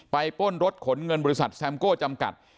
ป้นรถขนเงินบริษัทแซมโก้จำกัด